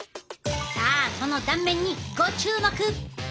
さあその断面にご注目！